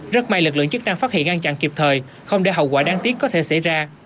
rất may lực lượng chức năng phát hiện ngăn chặn kịp thời không để hậu quả đáng tiếc có thể xảy ra